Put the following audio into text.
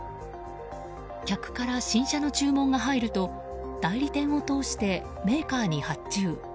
客から新車の注文が入ると代理店を通してメーカーに発注。